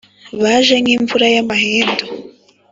Baje nk’imvura y’amahindu